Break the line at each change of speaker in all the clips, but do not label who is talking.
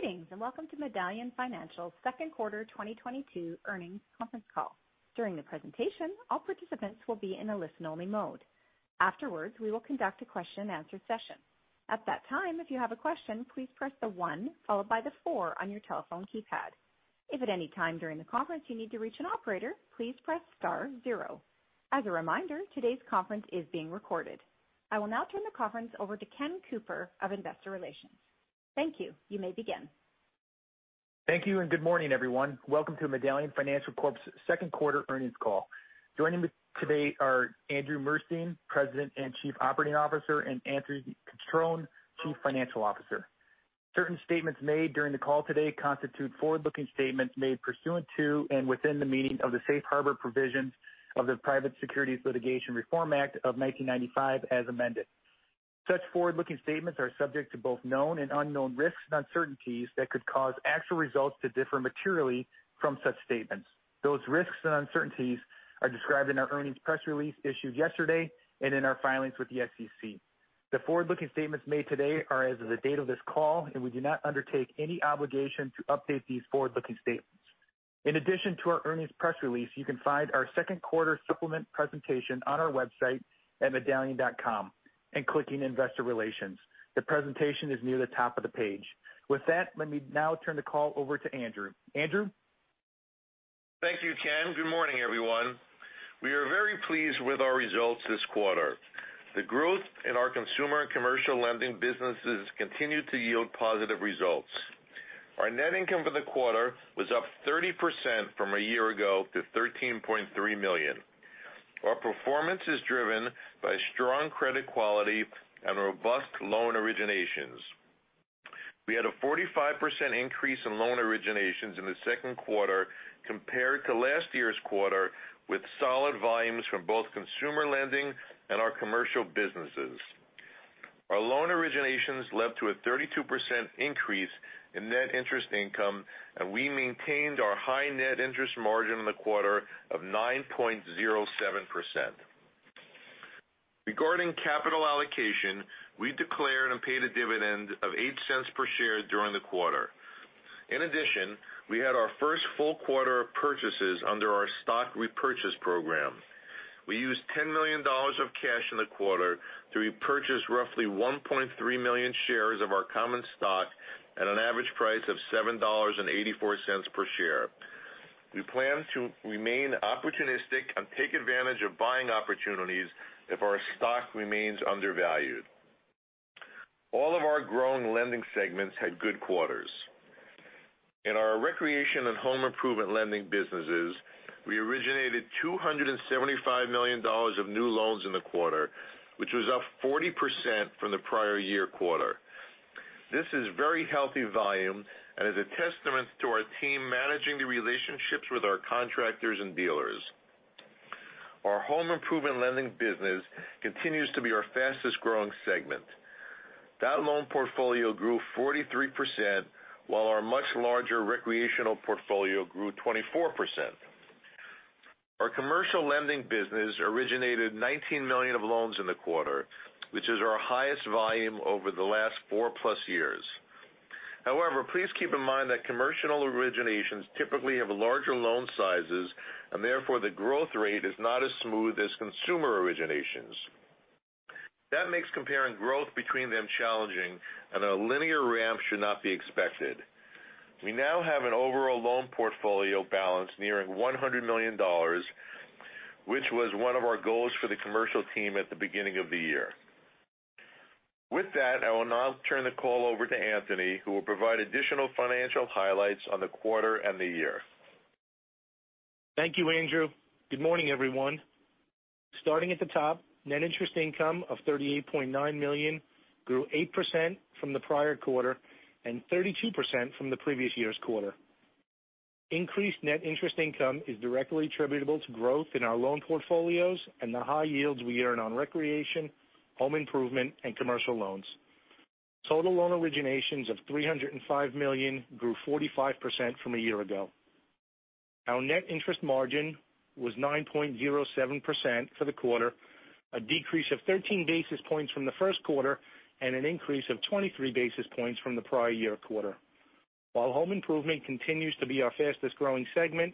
Greetings, and welcome to Medallion Financial's second quarter 2022 earnings conference call. During the presentation, all participants will be in a listen-only mode. Afterwards, we will conduct a question-and-answer session. At that time, if you have a question, please press the one followed by the four on your telephone keypad. If at any time during the conference you need to reach an operator, please press star zero. As a reminder, today's conference is being recorded. I will now turn the conference over to Ken Cooper of Investor Relations. Thank you. You may begin.
Thank you, and good morning, everyone. Welcome to Medallion Financial Corp's second quarter earnings call. Joining me today are Andrew Murstein, President and Chief Operating Officer, and Anthony Cutrone, Chief Financial Officer. Certain statements made during the call today constitute forward-looking statements made pursuant to and within the meaning of the safe harbor provisions of the Private Securities Litigation Reform Act of 1995 as amended. Such forward-looking statements are subject to both known and unknown risks and uncertainties that could cause actual results to differ materially from such statements. Those risks and uncertainties are described in our earnings press release issued yesterday and in our filings with the SEC. The forward-looking statements made today are as of the date of this call, and we do not undertake any obligation to update these forward-looking statements. In addition to our earnings press release, you can find our second quarter supplement presentation on our website at medallion.com and clicking Investor Relations. The presentation is near the top of the page. With that, let me now turn the call over to Andrew. Andrew?
Thank you, Ken. Good morning, everyone. We are very pleased with our results this quarter. The growth in our consumer and commercial lending businesses continued to yield positive results. Our net income for the quarter was up 30% from a year ago to $13.3 million. Our performance is driven by strong credit quality and robust loan originations. We had a 45% increase in loan originations in the second quarter compared to last year's quarter with solid volumes from both consumer lending and our commercial businesses. Our loan originations led to a 32% increase in net interest income, and we maintained our high net interest margin in the quarter of 9.07%. Regarding capital allocation, we declared and paid a dividend of $0.08 per share during the quarter. In addition, we had our first full quarter of purchases under our stock repurchase program. We used $10 million of cash in the quarter to repurchase roughly 1.3 million shares of our common stock at an average price of $7.84 per share. We plan to remain opportunistic and take advantage of buying opportunities if our stock remains undervalued. All of our growing lending segments had good quarters. In our recreation and home improvement lending businesses, we originated $275 million of new loans in the quarter, which was up 40% from the prior year quarter. This is very healthy volume and is a testament to our team managing the relationships with our contractors and dealers. Our home improvement lending business continues to be our fastest-growing segment. That loan portfolio grew 43%, while our much larger recreational portfolio grew 24%. Our commercial lending business originated $19 million of loans in the quarter, which is our highest volume over the last 4+ years. However, please keep in mind that commercial originations typically have larger loan sizes, and therefore, the growth rate is not as smooth as consumer originations. That makes comparing growth between them challenging, and a linear ramp should not be expected. We now have an overall loan portfolio balance nearing $100 million, which was one of our goals for the commercial team at the beginning of the year. With that, I will now turn the call over to Anthony, who will provide additional financial highlights on the quarter and the year.
Thank you, Andrew. Good morning, everyone. Starting at the top, net interest income of $38.9 million grew 8% from the prior quarter and 32% from the previous year's quarter. Increased net interest income is directly attributable to growth in our loan portfolios and the high yields we earn on recreation, home improvement, and commercial loans. Total loan originations of $305 million grew 45% from a year ago. Our net interest margin was 9.07% for the quarter, a decrease of 13 basis points from the first quarter and an increase of 23 basis points from the prior year quarter. While home improvement continues to be our fastest-growing segment,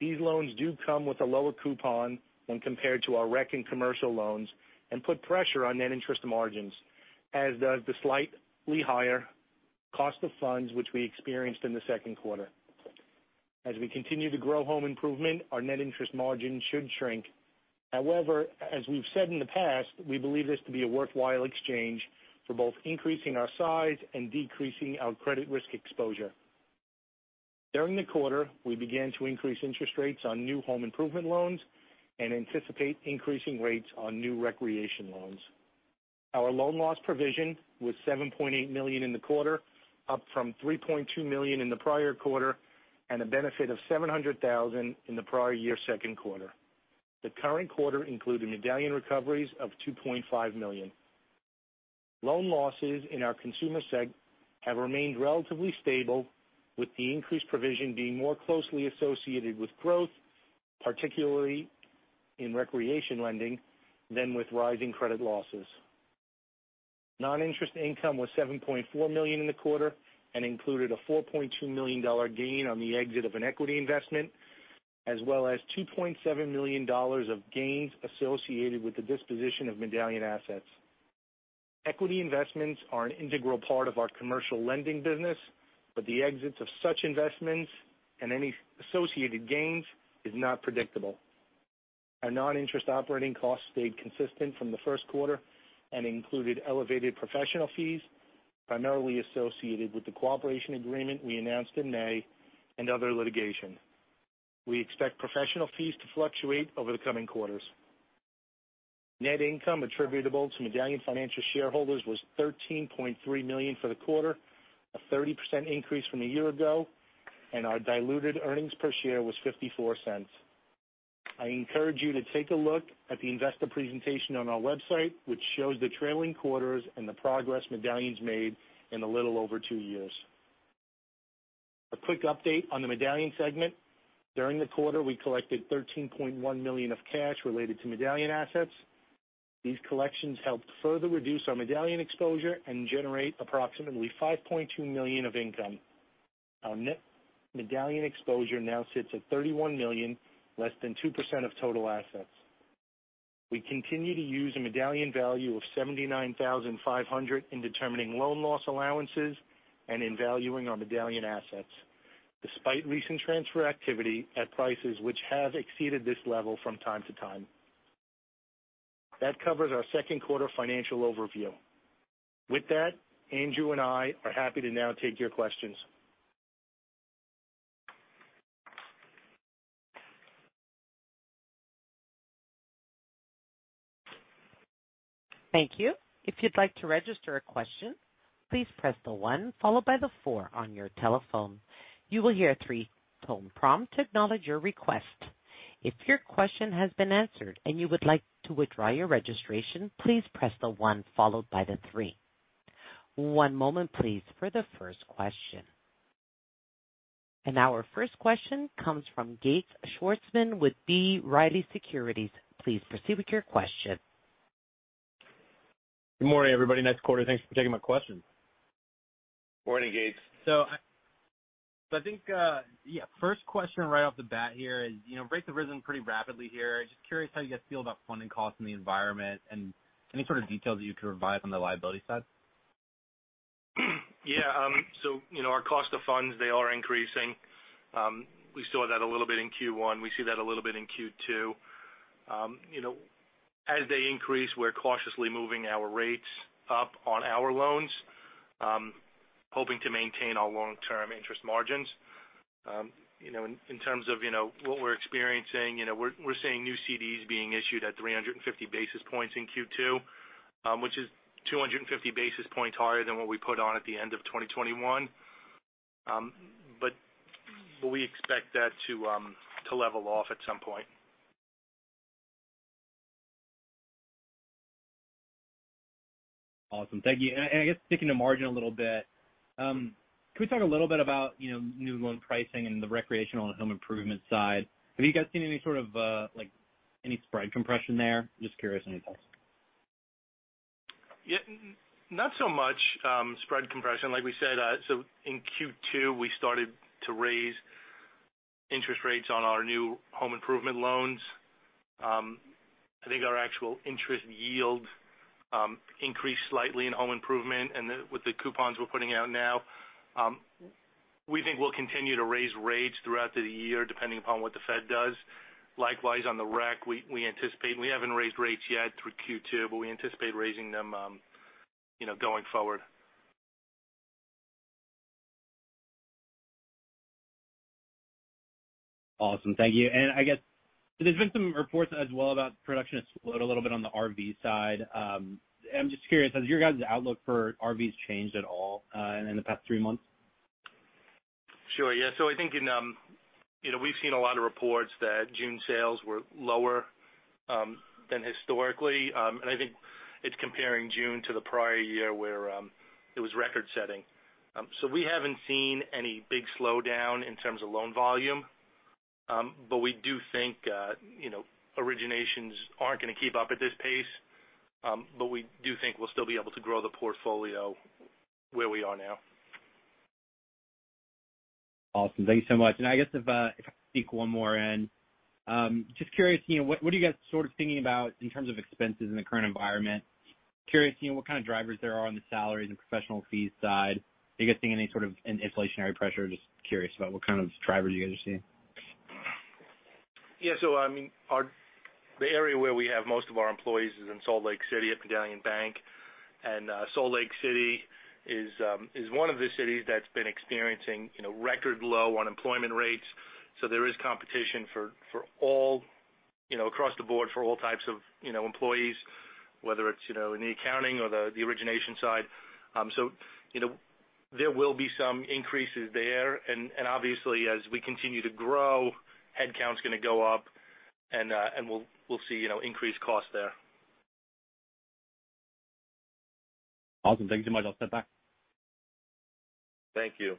these loans do come with a lower coupon when compared to our rec and commercial loans and put pressure on net interest margins, as does the slightly higher cost of funds which we experienced in the second quarter. As we continue to grow home improvement, our net interest margin should shrink. However, as we've said in the past, we believe this to be a worthwhile exchange for both increasing our size and decreasing our credit risk exposure. During the quarter, we began to increase interest rates on new home improvement loans and anticipate increasing rates on new recreation loans. Our loan loss provision was $7.8 million in the quarter, up from $3.2 million in the prior quarter and a benefit of $700 thousand in the prior year's second quarter. The current quarter included Medallion recoveries of $2.5 million. Loan losses in our consumer segment have remained relatively stable, with the increased provision being more closely associated with growth. Particularly in recreation lending than with rising credit losses. Non-interest income was $7.4 million in the quarter and included a $4.2 million gain on the exit of an equity investment, as well as $2.7 million of gains associated with the disposition of Medallion assets. Equity investments are an integral part of our commercial lending business, but the exits of such investments and any associated gains is not predictable. Our non-interest operating costs stayed consistent from the first quarter and included elevated professional fees, primarily associated with the cooperation agreement we announced in May and other litigation. We expect professional fees to fluctuate over the coming quarters. Net income attributable to Medallion Financial shareholders was $13.3 million for the quarter, a 30% increase from a year ago, and our diluted earnings per share was $0.54. I encourage you to take a look at the investor presentation on our website, which shows the trailing quarters and the progress Medallion's made in a little over two years. A quick update on the Medallion segment. During the quarter, we collected $13.1 million of cash related to Medallion assets. These collections helped further reduce our Medallion exposure and generate approximately $5.2 million of income. Our net Medallion exposure now sits at $31 million, less than 2% of total assets. We continue to use a Medallion value of $79,500 in determining loan loss allowances and in valuing our Medallion assets, despite recent transfer activity at prices which have exceeded this level from time to time. That covers our second quarter financial overview. With that, Andrew and I are happy to now take your questions.
Thank you. If you'd like to register a question, please press one followed by four on your telephone. You will hear a three-tone prompt to acknowledge your request. If your question has been answered and you would like to withdraw your registration, please press one followed by three. One moment please for the first question. Our first question comes from Gates Schwarzmann with B. Riley Securities. Please proceed with your question.
Good morning, everybody. Nice quarter. Thanks for taking my question.
Morning, Gates.
I think first question right off the bat here is, you know, rates have risen pretty rapidly here. Just curious how you guys feel about funding costs in the environment and any sort of details you can provide on the liability side.
Yeah. You know, our cost of funds, they are increasing. We saw that a little bit in Q1. We see that a little bit in Q2. You know, as they increase, we're cautiously moving our rates up on our loans, hoping to maintain our long-term interest margins. You know, in terms of, you know, what we're experiencing, you know, we're seeing new CDs being issued at 350 basis points in Q2, which is 250 basis points higher than what we put on at the end of 2021. We expect that to level off at some point.
Awesome. Thank you. I guess sticking to margin a little bit, can we talk a little bit about, you know, new loan pricing and the recreation and home improvement side? Have you guys seen any sort of, like, any spread compression there? Just curious on any thoughts.
Yeah. Not so much spread compression. Like we said, in Q2, we started to raise interest rates on our new home improvement loans. I think our actual interest yield increased slightly in home improvement and with the coupons we're putting out now. We think we'll continue to raise rates throughout the year depending upon what the Fed does. Likewise, on the rec, we haven't raised rates yet through Q2, but we anticipate raising them, you know, going forward.
Awesome. Thank you. I guess there's been some reports as well about production has slowed a little bit on the RV side. I'm just curious, has your guys' outlook for RVs changed at all, in the past three months?
Sure, yeah. I think in you know, we've seen a lot of reports that June sales were lower than historically. I think it's comparing June to the prior year where it was record-setting. We haven't seen any big slowdown in terms of loan volume. We do think you know, originations aren't gonna keep up at this pace. We do think we'll still be able to grow the portfolio where we are now.
Awesome. Thank you so much. I guess if I can sneak one more in. Just curious, you know, what are you guys sort of thinking about in terms of expenses in the current environment? Curious, you know, what kind of drivers there are on the salaries and professional fees side. Are you guys seeing any sort of an inflationary pressure? Just curious about what kind of drivers you guys are seeing.
Yeah. I mean, the area where we have most of our employees is in Salt Lake City at Medallion Bank. Salt Lake City is one of the cities that's been experiencing, you know, record low unemployment rates. There is competition for all, you know, across the board for all types of, you know, employees, whether it's, you know, in the accounting or the origination side. You know, there will be some increases there. Obviously, as we continue to grow, headcount's gonna go up and we'll see, you know, increased costs there.
Awesome. Thank you so much. I'll step back.
Thank you.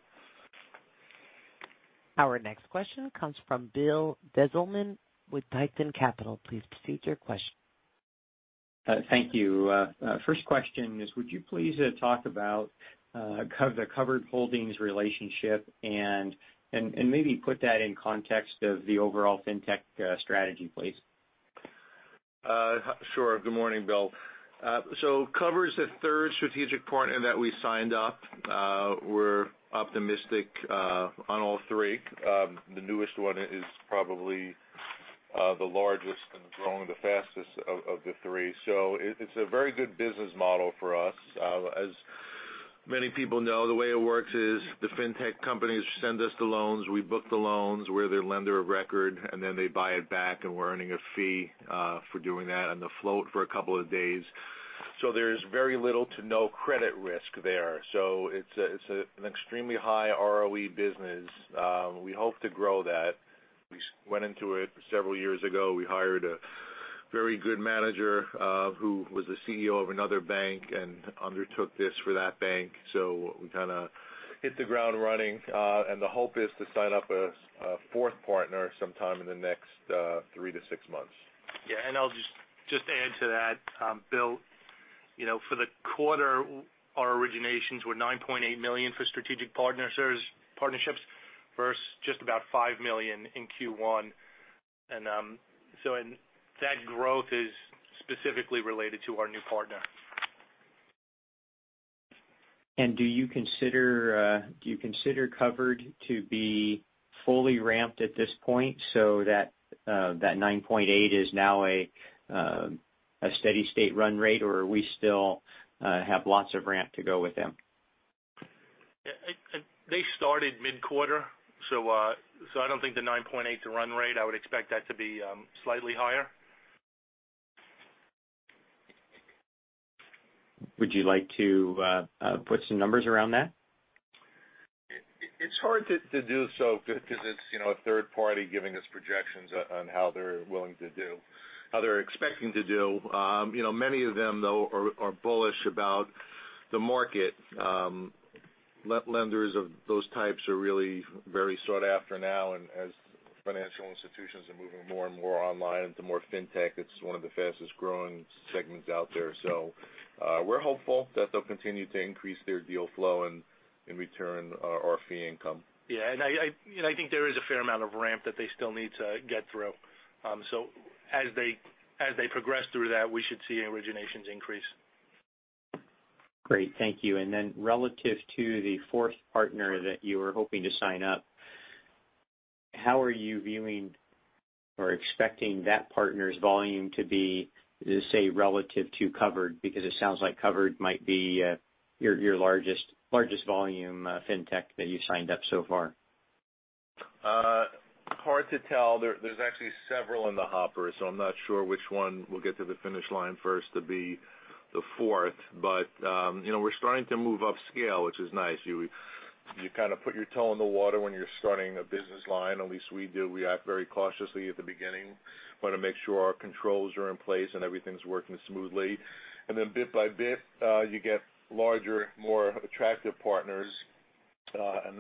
Our next question comes from Bill Dezellem with Titan Capital. Please proceed to your question.
Thank you. First question is, would you please talk about the Covered Holdings relationship and maybe put that in context of the overall Fintech strategy, please.
Sure. Good morning, Bill. Covered's the third strategic partner that we signed up. We're optimistic on all three. The newest one is probably the largest and growing the fastest of the three. It's a very good business model for us. As many people know, the way it works is the Fintech companies send us the loans, we book the loans, we're their lender of record, and then they buy it back, and we're earning a fee for doing that and the float for a couple of days. There's very little to no credit risk there. It's an extremely high ROE business. We hope to grow that. We went into it several years ago. We hired a very good manager, who was the CEO of another bank and undertook this for that bank. We kinda hit the ground running. The hope is to sign up a fourth partner sometime in the next 3-6 months.
I'll just add to that, Bill. You know, for the quarter, our originations were $9.8 million for strategic partnerships, versus just about $5 million in Q1. That growth is specifically related to our new partner.
Do you consider Covered to be fully ramped at this point so that that 9.8 is now a steady state run rate, or are we still have lots of ramp to go with them?
Yeah, they started mid-quarter, so I don't think the $9.8 million is a run rate. I would expect that to be slightly higher.
Would you like to put some numbers around that?
It's hard to do so because it's, you know, a third party giving us projections on how they're willing to do, how they're expecting to do. You know, many of them though are bullish about the market. Lenders of those types are really very sought after now and as financial institutions are moving more and more online into more Fintech. It's one of the fastest growing segments out there. We're hopeful that they'll continue to increase their deal flow and in return our fee income.
Yeah. I think there is a fair amount of ramp that they still need to get through. As they progress through that, we should see originations increase.
Great. Thank you. Relative to the fourth partner that you were hoping to sign up, how are you viewing or expecting that partner's volume to be, say, relative to Covered? Because it sounds like Covered might be your largest volume Fintech that you've signed up so far.
Hard to tell. There's actually several in the hopper, so I'm not sure which one will get to the finish line first to be the fourth. You know, we're starting to move upscale, which is nice. You kind of put your toe in the water when you're starting a business line, at least we do. We act very cautiously at the beginning. Wanna make sure our controls are in place and everything's working smoothly. Bit by bit, you get larger, more attractive partners.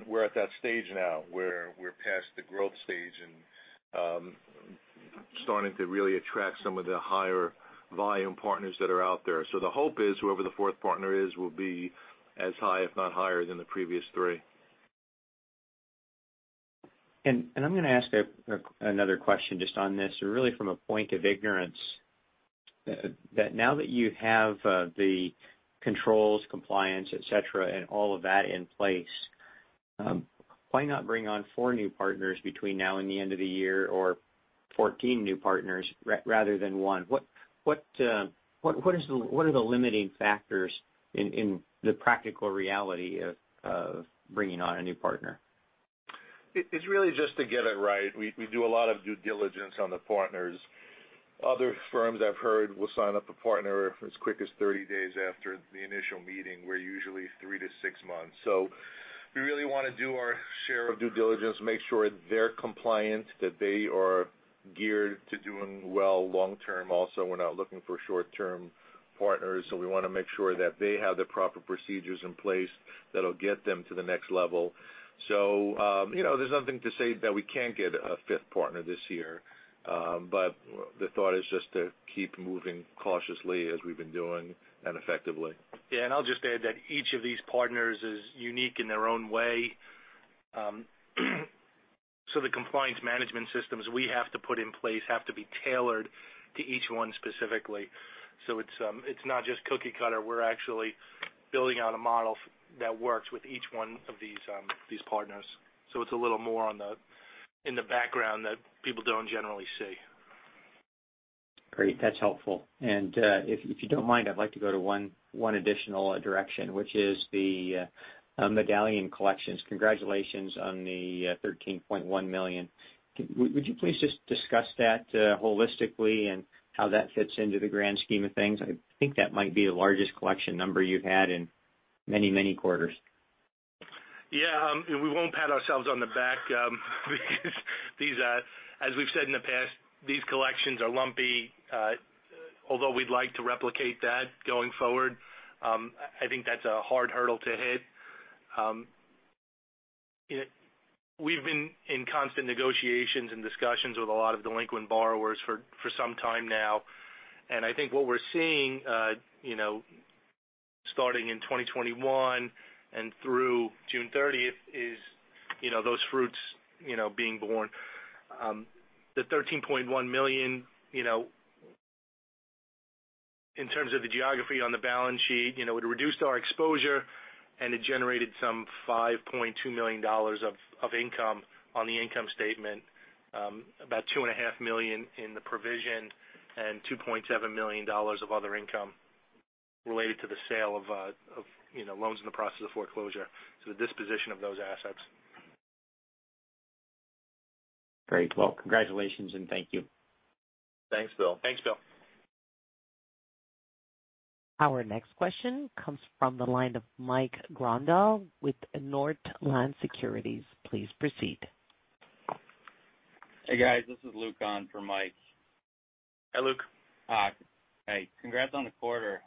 We're at that stage now, where we're past the growth stage and starting to really attract some of the higher volume partners that are out there. The hope is whoever the fourth partner is will be as high, if not higher, than the previous three.
I'm gonna ask another question just on this, really from a point of ignorance. Now that you have the controls, compliance, et cetera, and all of that in place, why not bring on four new partners between now and the end of the year or 14 new partners rather than one? What are the limiting factors in the practical reality of bringing on a new partner?
It's really just to get it right. We do a lot of due diligence on the partners. Other firms I've heard will sign up a partner as quick as 30 days after the initial meeting. We're usually 3-6 months. We really wanna do our share of due diligence, make sure they're compliant, that they are geared to doing well long term also. We're not looking for short term partners, so we wanna make sure that they have the proper procedures in place that'll get them to the next level. You know, there's nothing to say that we can't get a fifth partner this year. The thought is just to keep moving cautiously as we've been doing, and effectively.
Yeah. I'll just add that each of these partners is unique in their own way. The compliance management systems we have to put in place have to be tailored to each one specifically. It's not just cookie cutter. We're actually building out a model that works with each one of these partners. It's a little more on the, in the background that people don't generally see.
Great. That's helpful. If you don't mind, I'd like to go to one additional direction, which is the Medallion Collections. Congratulations on the $13.1 million. Would you please just discuss that holistically and how that fits into the grand scheme of things? I think that might be the largest collection number you've had in many quarters.
Yeah, we won't pat ourselves on the back, because these are. As we've said in the past, these collections are lumpy. Although we'd like to replicate that going forward, I think that's a hard hurdle to hit. We've been in constant negotiations and discussions with a lot of delinquent borrowers for some time now. I think what we're seeing, you know, starting in 2021 and through June 30 is, you know, those fruits, you know, being born. The $13.1 million, you know, in terms of the recovery on the balance sheet, you know, it reduced our exposure, and it generated some $5.2 million of income on the income statement. About $2.5 million in the provision and $2.7 million of other income related to the sale of you know, loans in the process of foreclosure. The disposition of those assets.
Great. Well, congratulations and thank you.
Thanks, Bill.
Thanks, Bill.
Our next question comes from the line of Mike Grondahl with Northland Securities. Please proceed.
Hey, guys. This is Luke on for Mike.
Hi, Luke.
Hi. Hey, congrats on the quarter.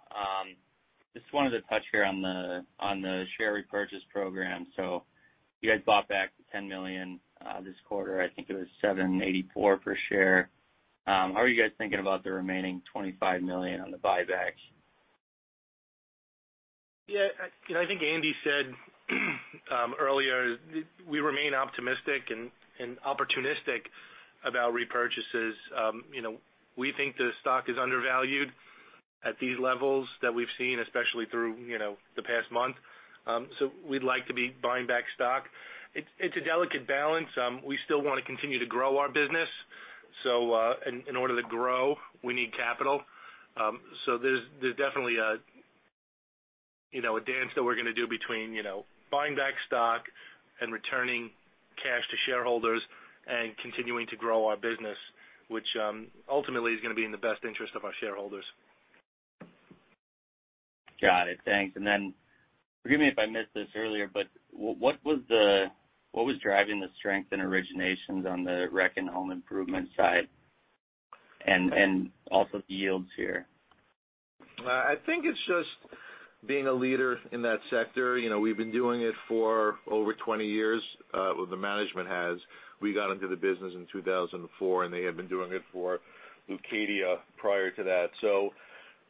Just wanted to touch here on the share repurchase program. You guys bought back $10 million this quarter. I think it was $7.84 per share. How are you guys thinking about the remaining $25 million on the buyback?
Yeah, you know, I think Andy said earlier, we remain optimistic and opportunistic about repurchases. You know, we think the stock is undervalued at these levels that we've seen, especially through the past month. So we'd like to be buying back stock. It's a delicate balance. We still wanna continue to grow our business. In order to grow, we need capital. So there's definitely a dance that we're gonna do between buying back stock and returning cash to shareholders and continuing to grow our business, which ultimately is gonna be in the best interest of our shareholders.
Got it. Thanks. Forgive me if I missed this earlier, but what was driving the strength in originations on the rec and home improvement side and also the yields here?
I think it's just being a leader in that sector. You know, we've been doing it for over 20 years, well, the management has. We got into the business in 2004, and they have been doing it for Leucadia prior to that.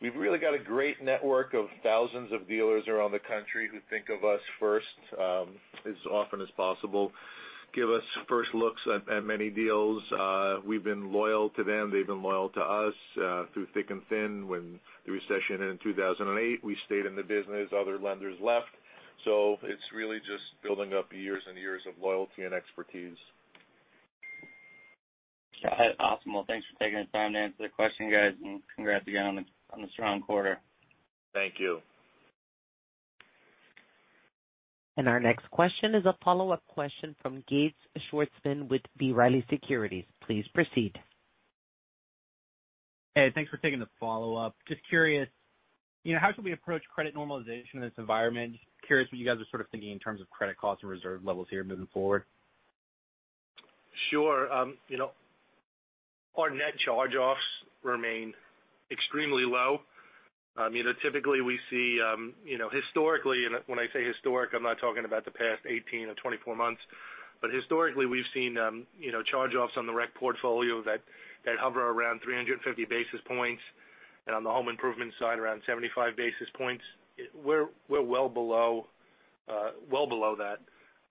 We've really got a great network of thousands of dealers around the country who think of us first, as often as possible. Give us first looks at many deals. We've been loyal to them. They've been loyal to us, through thick and thin. When the recession hit in 2008, we stayed in the business, other lenders left. It's really just building up years and years of loyalty and expertise.
Got it. Awesome. Well, thanks for taking the time to answer the question, guys. Congrats again on the strong quarter.
Thank you.
Our next question is a follow-up question from Gates Schwarzmann with B. Riley Securities. Please proceed.
Hey, thanks for taking the follow-up. Just curious, you know, how should we approach credit normalization in this environment? Just curious what you guys are sort of thinking in terms of credit costs and reserve levels here moving forward?
Sure. You know, our net charge-offs remain extremely low. You know, typically we see, you know, historically, and when I say historical, I'm not talking about the past 18 or 24 months. Historically, we've seen, you know, charge-offs on the rec portfolio that hover around 350 basis points. On the home improvement side, around 75 basis points. We're well below, well below that.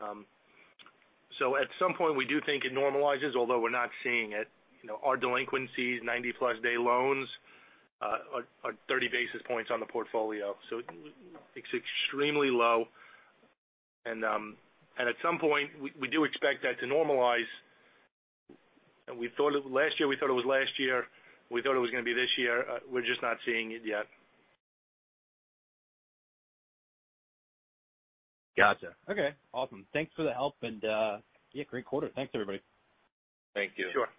At some point, we do think it normalizes, although we're not seeing it. You know, our delinquencies, 90+ day loans, are 30 basis points on the portfolio. It's extremely low. At some point, we do expect that to normalize. Last year, we thought it was last year. We thought it was gonna be this year. We're just not seeing it yet.
Gotcha. Okay, awesome. Thanks for the help. Yeah, great quarter. Thanks, everybody.
Thank you.
Sure.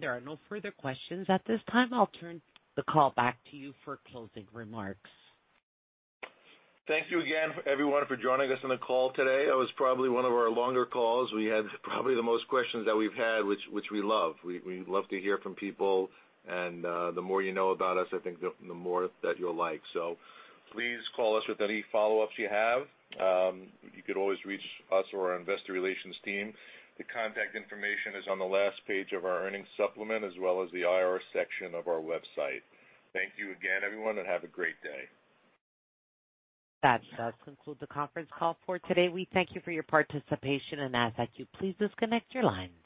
There are no further questions at this time. I'll turn the call back to you for closing remarks.
Thank you again, everyone, for joining us on the call today. That was probably one of our longer calls. We had probably the most questions that we've had, which we love. We love to hear from people. The more you know about us, I think the more that you'll like. So please call us with any follow-ups you have. You could always reach us or our investor relations team. The contact information is on the last page of our earnings supplement as well as the IR section of our website. Thank you again, everyone, and have a great day.
That does conclude the conference call for today. We thank you for your participation and ask that you please disconnect your lines.